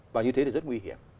và như thế là rất nguy hiểm